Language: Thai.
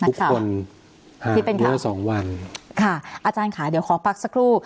คนที่เป็นข่าวสองวันค่ะอาจารย์ค่ะเดี๋ยวขอพักสักครู่